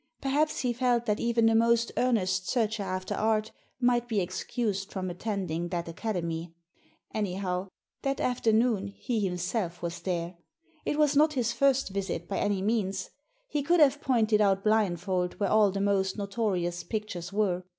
Perhaps he felt that even the most earnest searcher after art might be excused from attending that Academy. Anyhow, that afternoon he himself was there. It was not his first visit by any means. He could have pointed out blindfold where all the most notorious pictures were.